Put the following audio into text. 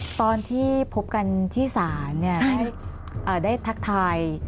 ตอนที่พบกันที่ศาลได้ทักทาย